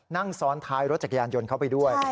นั่งซ้อนท้ายรถจักรยานยนต์เข้าไปด้วย